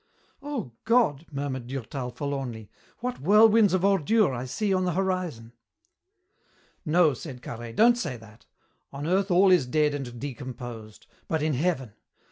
"Oh, God!" murmured Durtal forlornly, "what whirlwinds of ordure I see on the horizon!" "No," said Carhaix, "don't say that. On earth all is dead and decomposed. But in heaven!